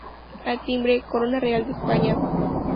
Al timbre, Corona Real de España.